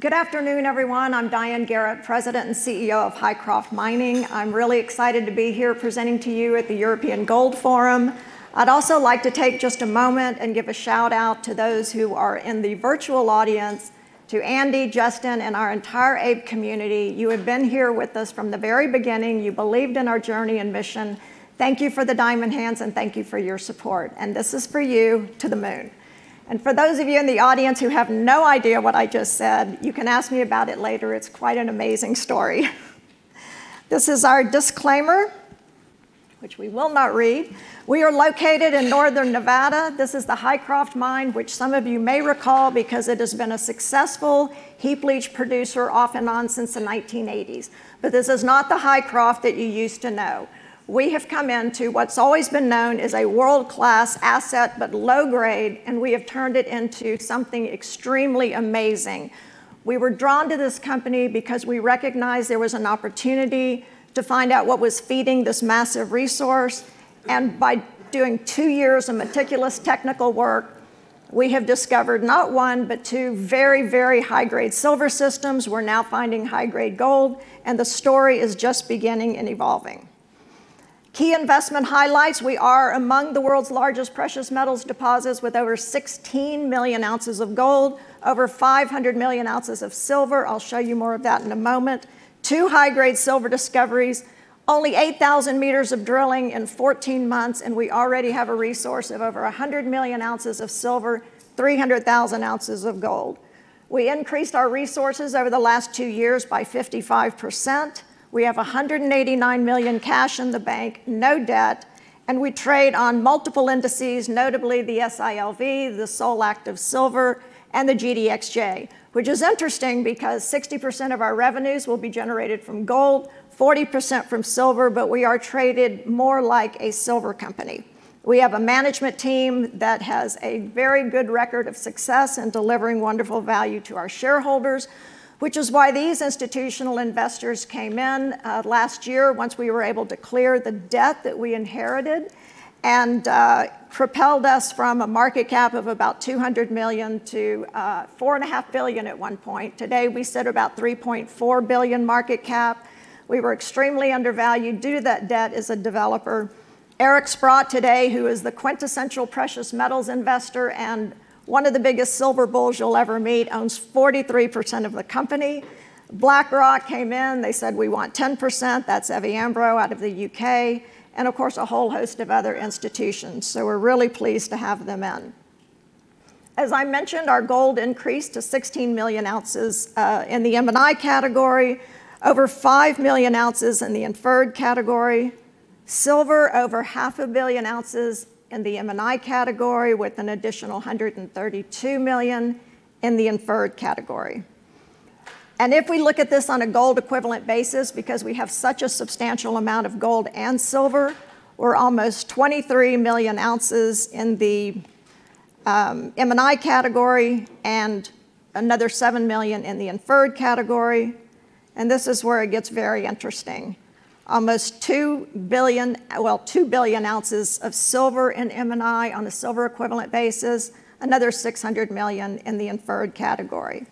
Good afternoon, everyone. I'm Diane Garrett, President and CEO of Hycroft Mining. I'm really excited to be here presenting to you at the European Gold Forum. I'd also like to take just a moment and give a shout-out to those who are in the virtual audience, to Andy, Justin, and our entire APE community. You have been here with us from the very beginning. You believed in our journey and mission. Thank you for the diamond hands, and thank you for your support. This is for you, to the moon. For those of you in the audience who have no idea what I just said, you can ask me about it later. It's quite an amazing story. This is our disclaimer, which we will not read. We are located in northern Nevada. This is the Hycroft Mine, which some of you may recall because it has been a successful heap leach producer off and on since the 1980s. This is not the Hycroft that you used to know. We have come into what's always been known as a world-class asset, but low grade, and we have turned it into something extremely amazing. We were drawn to this company because we recognized there was an opportunity to find out what was feeding this massive resource, and by doing two years of meticulous technical work, we have discovered not one, but two very, very high-grade silver systems. We're now finding high-grade gold, and the story is just beginning and evolving. Key investment highlights, we are among the world's largest precious metals deposits with over 16 million ounces of gold, over 500 million ounces of silver. I'll show you more of that in a moment. Two high-grade silver discoveries. Only 8,000 meters of drilling in 14 months, and we already have a resource of over 100 million ounces of silver, 300,000 ounces of gold. We increased our resources over the last two years by 55%. We have 189 million cash in the bank, no debt, and we trade on multiple indices, notably the SILV, the Solactive Silver, and the GDXJ. Which is interesting because 60% of our revenues will be generated from gold, 40% from silver, but we are traded more like a silver company. We have a management team that has a very good record of success in delivering wonderful value to our shareholders, which is why these institutional investors came in last year once we were able to clear the debt that we inherited and propelled us from a market cap of about $200 million-$4.5 billion at one point. Today, we sit at about $3.4 billion market cap. We were extremely undervalued due to that debt as a developer. Eric Sprott today, who is the quintessential precious metals investor and one of the biggest silver bulls you'll ever meet, owns 43% of the company. BlackRock came in, they said, "We want 10%," that's Evy Hambro out of the U.K., and of course, a whole host of other institutions. We're really pleased to have them in. As I mentioned, our gold increased to 16 million ounces in the M&I category, over five million ounces in the Inferred category. Silver, over half a billion ounces in the M&I category, with an additional 132 million ounces in the Inferred category. If we look at this on a gold equivalent basis, because we have such a substantial amount of gold and silver, we're almost 23 million ounces in the M&I category and another 7 million ounces in the Inferred category, and this is where it gets very interesting. Almost 2 billion ounces of silver in M&I on a silver equivalent basis, another 600 million ounces in the Inferred category.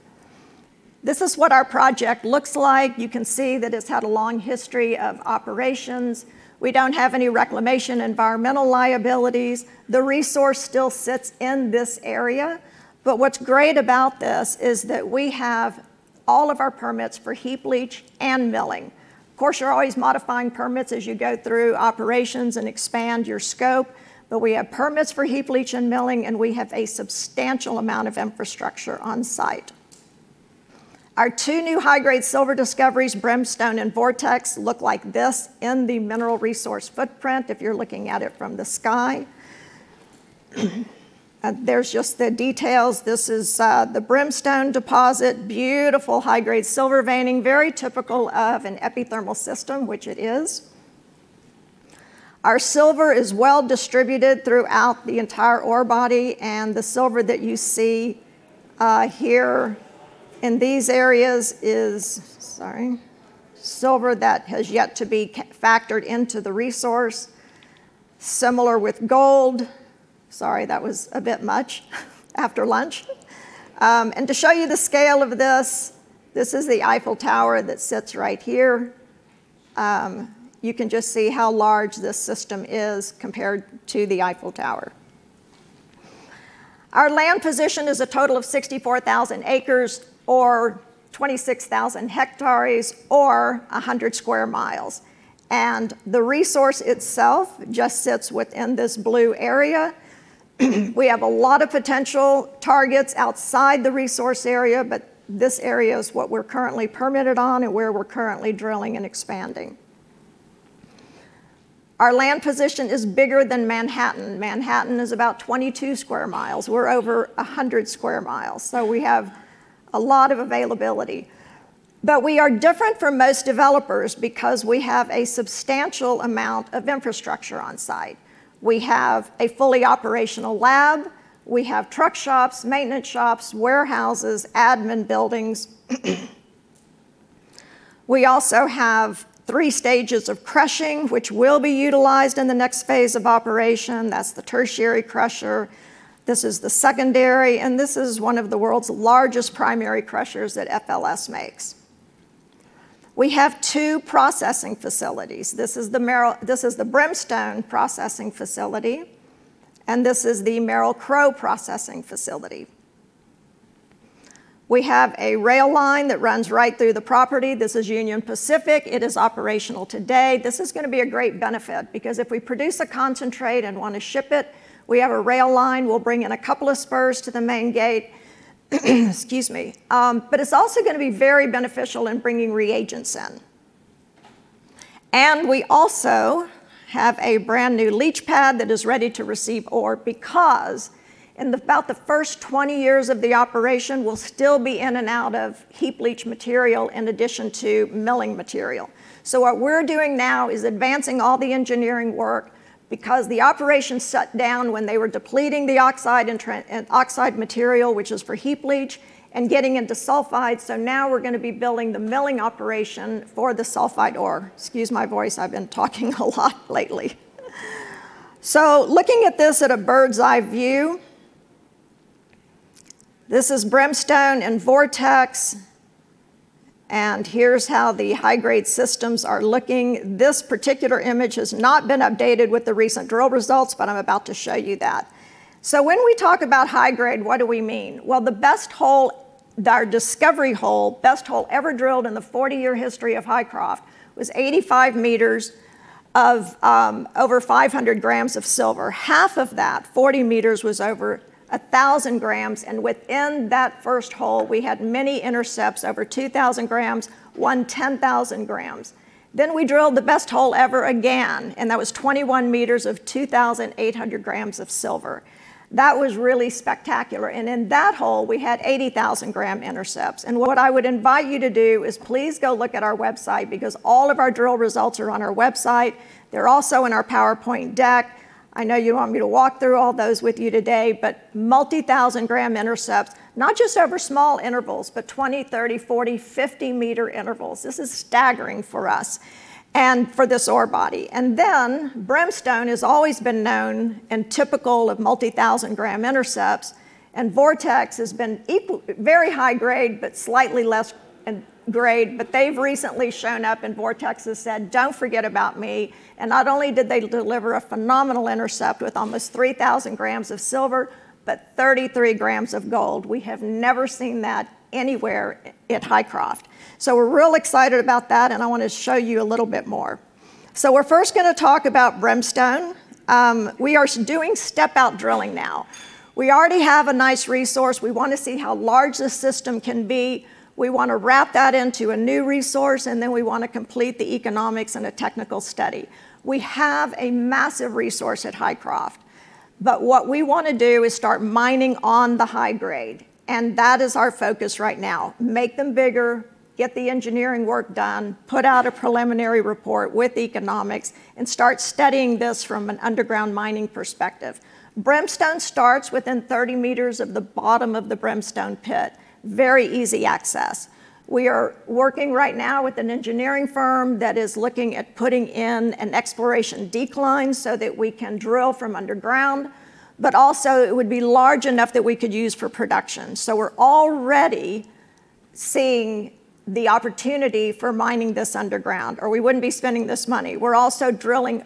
This is what our project looks like. You can see that it's had a long history of operations. We don't have any reclamation environmental liabilities. The resource still sits in this area. What's great about this is that we have all of our permits for heap leach and milling. Of course, you're always modifying permits as you go through operations and expand your scope, but we have permits for heap leach and milling, and we have a substantial amount of infrastructure on-site. Our two new high-grade silver discoveries, Brimstone and Vortex, look like this in the mineral resource footprint if you're looking at it from the sky. There's just the details. This is the Brimstone deposit, beautiful high-grade silver veining, very typical of an epithermal system, which it is. Our silver is well distributed throughout the entire ore body, and the silver that you see here in these areas is silver that has yet to be factored into the resource. Similar with gold. Sorry, that was a bit much after lunch. To show you the scale of this is the Eiffel Tower that sits right here. You can just see how large this system is compared to the Eiffel Tower. Our land position is a total of 64,000 acres or 26,000 hectares or 100 sq mi, and the resource itself just sits within this blue area. We have a lot of potential targets outside the resource area, but this area is what we're currently permitted on and where we're currently drilling and expanding. Our land position is bigger than Manhattan. Manhattan is about 22 sq mi. We're over 100 sq mi, so we have a lot of availability. We are different from most developers because we have a substantial amount of infrastructure on-site. We have a fully operational lab, we have truck shops, maintenance shops, warehouses, admin buildings. We also have three stages of crushing which will be utilized in the next phase of operation. That's the tertiary crusher, this is the secondary, and this is one of the world's largest primary crushers that FLS makes. We have two processing facilities. This is the Brimstone processing facility, and this is the Merrill-Crowe processing facility. We have a rail line that runs right through the property. This is Union Pacific. It is operational today. This is going to be a great benefit because if we produce a concentrate and want to ship it, we have a rail line. We'll bring in a couple of spurs to the main gate. Excuse me. It's also going to be very beneficial in bringing reagents in. We also have a brand-new leach pad that is ready to receive ore, because in about the first 20 years of the operation, we'll still be in and out of heap leach material in addition to milling material. What we're doing now is advancing all the engineering work because the operation shut down when they were depleting the oxide material, which is for heap leach, and getting into sulfide. Now we're going to be building the milling operation for the sulfide ore. Excuse my voice. I've been talking a lot lately. Looking at this at a bird's-eye view, this is Brimstone and Vortex, and here's how the high-grade systems are looking. This particular image has not been updated with the recent drill results, but I'm about to show you that. When we talk about high-grade, what do we mean? Well, the best hole, our discovery hole, best hole ever drilled in the 40 year history of Hycroft was 85 meters of over 500 grams of silver. Half of that, 40 meters, was over 1,000 grams. Within that first hole, we had many intercepts over 2,000 grams, one 10,000 grams. We drilled the best hole ever again, and that was 21 meters of 2,800 grams of silver. That was really spectacular. In that hole, we had 80,000 gram intercepts. What I would invite you to do is please go look at our website, because all of our drill results are on our website. They're also in our PowerPoint deck. I know you don't want me to walk through all those with you today, but multi-thousand gram intercepts, not just over small intervals, but 20 meter, 30 meter, 40 meter, 50 meter intervals. This is staggering for us and for this ore body. Brimstone has always been known and typical of multi-thousand-gram intercepts, and Vortex has been very high grade, but slightly less in grade. They've recently shown up, and Vortex has said, don't forget about me. Not only did they deliver a phenomenal intercept with almost 3,000 grams of silver, but 33 grams of gold. We have never seen that anywhere at Hycroft. We're real excited about that, and I want to show you a little bit more. We're first going to talk about Brimstone. We are doing step-out drilling now. We already have a nice resource. We want to see how large this system can be. We want to wrap that into a new resource, and then we want to complete the economics and a technical study. We have a massive resource at Hycroft, but what we want to do is start mining on the high grade, and that is our focus right now. Make them bigger, get the engineering work done, put out a preliminary report with economics, and start studying this from an underground mining perspective. Brimstone starts within 30 meters of the bottom of the Brimstone pit, very easy access. We are working right now with an engineering firm that is looking at putting in an exploration decline so that we can drill from underground, but also it would be large enough that we could use for production. We're already seeing the opportunity for mining this underground, or we wouldn't be spending this money. We're also drilling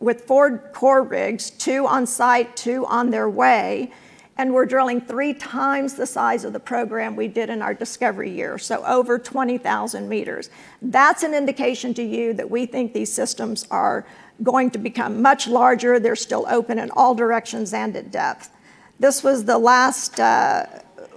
with four core rigs, two on-site, two on their way, and we're drilling three times the size of the program we did in our discovery year. Over 20,000 meters. That's an indication to you that we think these systems are going to become much larger. They're still open in all directions and at depth. This was the last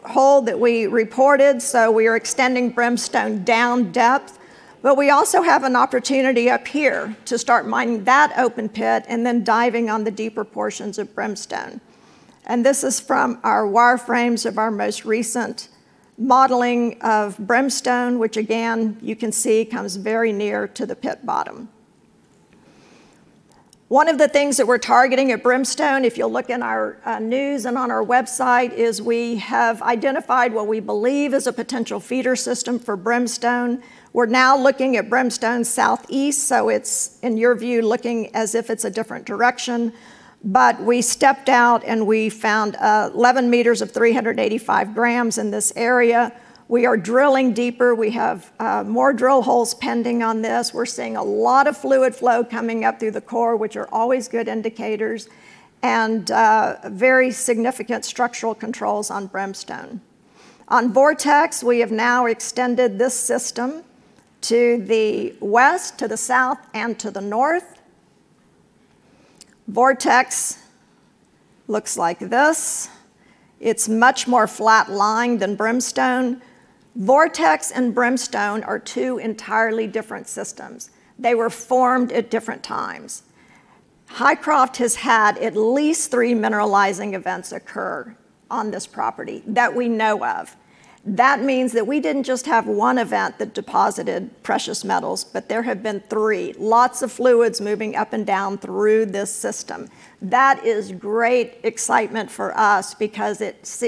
hole that we reported, so we are extending Brimstone down depth. We also have an opportunity up here to start mining that open pit and then diving on the deeper portions of Brimstone. This is from our wireframes of our most recent modeling of Brimstone, which again, you can see comes very near to the pit bottom. One of the things that we're targeting at Brimstone, if you'll look in our news and on our website, is we have identified what we believe is a potential feeder system for Brimstone. We're now looking at Brimstone Southeast, so it's, in your view, looking as if it's a different direction. We stepped out, and we found 11 meters of 385 grams in this area. We are drilling deeper. We have more drill holes pending on this. We're seeing a lot of fluid flow coming up through the core, which are always good indicators, and very significant structural controls on Brimstone. On Vortex, we have now extended this system to the west, to the south, and to the north. Vortex looks like this. It's much more flat-lying than Brimstone. Vortex and Brimstone are two entirely different systems. They were formed at different times. Hycroft has had at least three mineralizing events occur on this property that we know of. That means that we didn't just have one event that deposited precious metals, but there have been three. Lots of fluids moving up and down through this system. That is great excitement for us because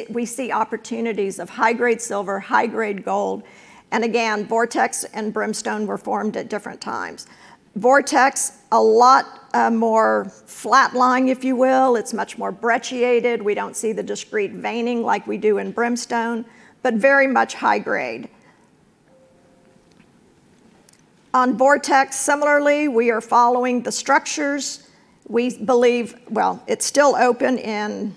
we see opportunities of high-grade silver, high-grade gold, and again, Vortex and Brimstone were formed at different times. Vortex, a lot more flat-lying, if you will. It's much more brecciated. We don't see the discrete veining like we do in Brimstone, but very much high grade. On Vortex, similarly, we are following the structures. It's still open in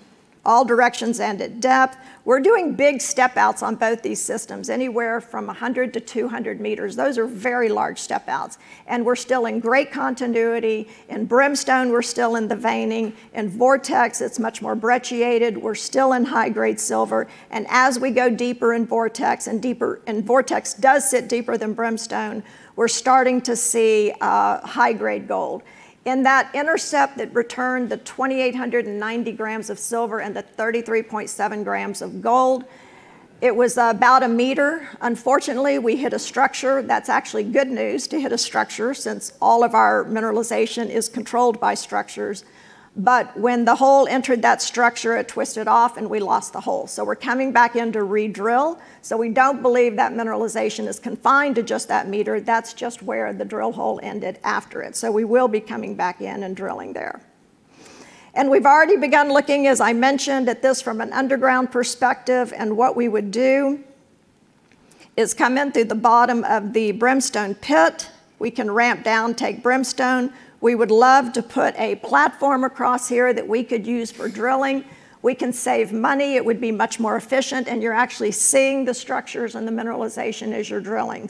all directions and at depth. We're doing big step-outs on both these systems, anywhere from 100 meters-200 meters. Those are very large step-outs. We're still in great continuity. In Brimstone, we're still in the veining. In Vortex, it's much more brecciated. We're still in high-grade silver. As we go deeper in Vortex, and Vortex does sit deeper than Brimstone, we're starting to see high-grade gold. In that intercept that returned the 2,890 grams of silver and the 33.7 grams of gold, it was about a meter. Unfortunately, we hit a structure. That's actually good news to hit a structure, since all of our mineralization is controlled by structures. When the hole entered that structure, it twisted off, and we lost the hole. We're coming back in to redrill. We don't believe that mineralization is confined to just that meter. That's just where the drill hole ended after it. We will be coming back in and drilling there. We've already begun looking, as I mentioned, at this from an underground perspective, and what we would do is come in through the bottom of the Brimstone pit. We can ramp down, take Brimstone. We would love to put a platform across here that we could use for drilling. We can save money. It would be much more efficient, and you're actually seeing the structures and the mineralization as you're drilling.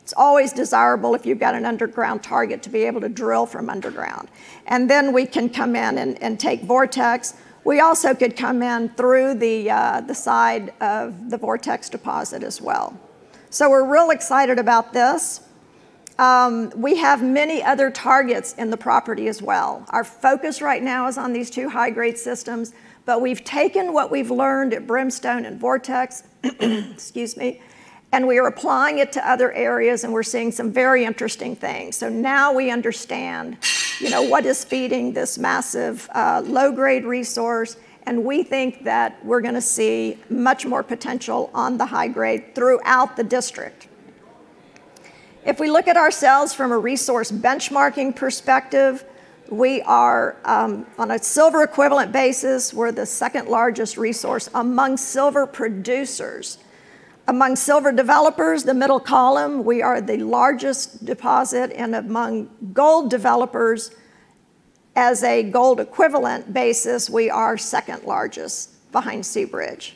It's always desirable if you've got an underground target to be able to drill from underground. We can come in and take Vortex. We also could come in through the side of the Vortex deposit as well. We're real excited about this. We have many other targets in the property as well. Our focus right now is on these two high-grade systems, but we've taken what we've learned at Brimstone and Vortex, excuse me, and we are applying it to other areas, and we're seeing some very interesting things. Now we understand what is feeding this massive low-grade resource, and we think that we're going to see much more potential on the high grade throughout the district. If we look at ourselves from a resource benchmarking perspective, on a silver equivalent basis, we're the second-largest resource among silver producers. Among silver developers, the middle column, we are the largest deposit, and among gold developers, as a gold equivalent basis, we are second largest behind Seabridge.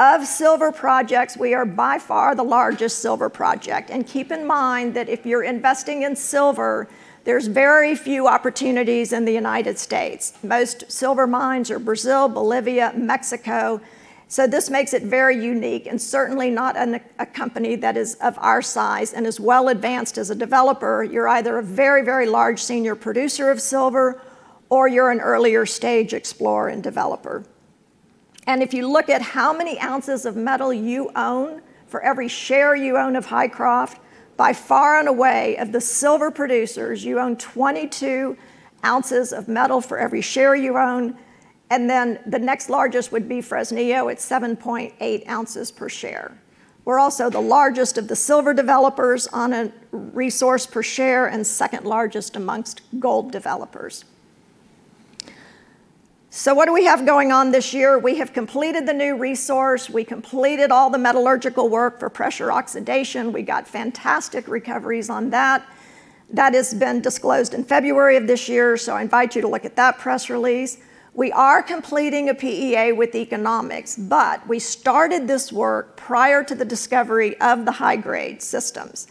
Of silver projects, we are by far the largest silver project, and keep in mind that if you're investing in silver, there's very few opportunities in the U.S. Most silver mines are Brazil, Bolivia, Mexico. This makes it very unique, and certainly not a company that is of our size and as well-advanced as a developer. You're either a very, very large senior producer of silver or you're an earlier-stage explorer and developer. If you look at how many ounces of metal you own for every share you own of Hycroft, by far and away, of the silver producers, you own 22 ounces of metal for every share you own. The next largest would be Fresnillo at 7.8 ounces per share. We're also the largest of the silver developers on a resource per share and second largest amongst gold developers. What do we have going on this year? We have completed the new resource. We completed all the metallurgical work for pressure oxidation. We got fantastic recoveries on that. That has been disclosed in February of this year. I invite you to look at that press release. We are completing a PEA with economics, but we started this work prior to the discovery of the high-grade systems.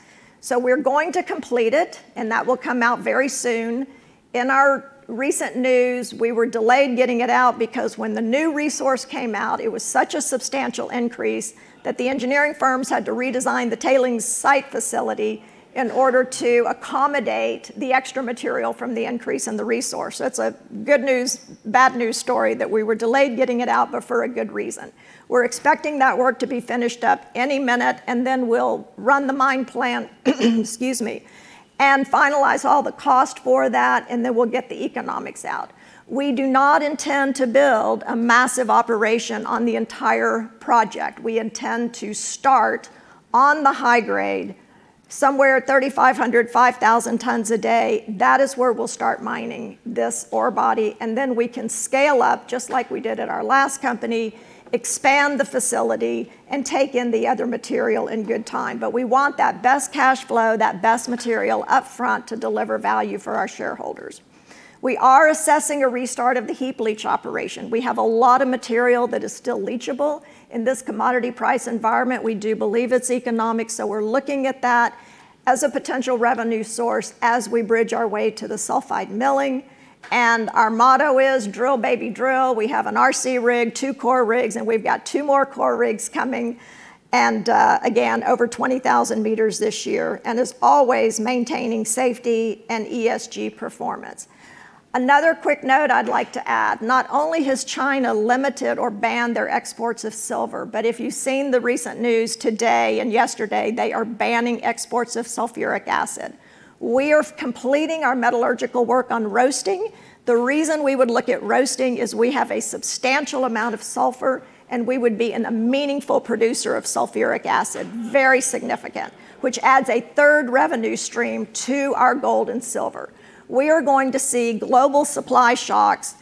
We're going to complete it, and that will come out very soon. In our recent news, we were delayed getting it out because when the new resource came out, it was such a substantial increase that the engineering firms had to redesign the tailings storage facility in order to accommodate the extra material from the increase in the resource. It's a good news, bad news story that we were delayed getting it out, but for a good reason. We're expecting that work to be finished up any minute, and then we'll run the mine plan, excuse me, and finalize all the cost for that, and then we'll get the economics out. We do not intend to build a massive operation on the entire project. We intend to start on the high grade, somewhere 3,500 tons a day-5,000 tons a day. That is where we'll start mining this ore body, and then we can scale up, just like we did at our last company, expand the facility, and take in the other material in good time. We want that best cash flow, that best material up front to deliver value for our shareholders. We are assessing a restart of the heap leach operation. We have a lot of material that is still leachable. In this commodity price environment, we do believe it's economic, so we're looking at that as a potential revenue source as we bridge our way to the sulfide milling. Our motto is, "Drill, baby, drill." We have an RC rig, two core rigs, and we've got two more core rigs coming, and again, over 20,000 meters this year, and as always, maintaining safety and ESG performance. Another quick note I'd like to add. Not only has China limited or banned their exports of silver, but if you've seen the recent news today and yesterday, they are banning exports of sulfuric acid. We are completing our metallurgical work on roasting. The reason we would look at roasting is we have a substantial amount of sulfur, and we would be a meaningful producer of sulfuric acid, very significant, which adds a third revenue stream to our gold and silver. We are going to see global supply shocks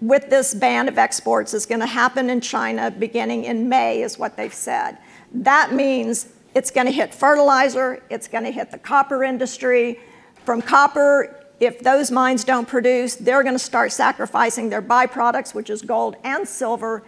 with this ban of exports. It's going to happen in China beginning in May, is what they've said. That means it's going to hit fertilizer. It's going to hit the copper industry. From copper, if those mines don't produce, they're going to start sacrificing their byproducts, which is gold and silver,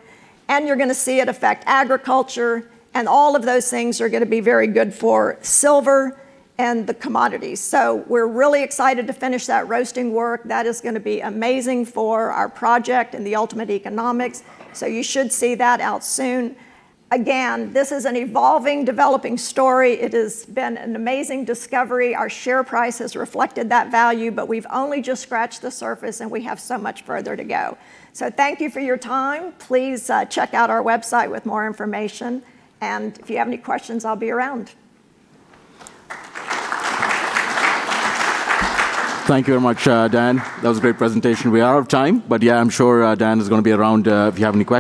and you're going to see it affect agriculture, and all of those things are going to be very good for silver and the commodities. We're really excited to finish that roasting work. That is going to be amazing for our project and the ultimate economics. You should see that out soon. Again, this is an evolving, developing story. It has been an amazing discovery. Our share price has reflected that value, but we've only just scratched the surface, and we have so much further to go. Thank you for your time. Please check out our website with more information, and if you have any questions, I'll be around. Thank you very much, Diane. That was a great presentation. We are out of time, but yeah, I'm sure Dianeis going to be around if you have any questions.